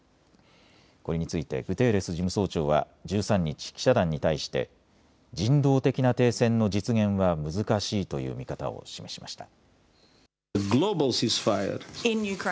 これについてグテーレス事務総長は１３日、記者団に対して人道的な停戦の実現は難しいという見方を示しました。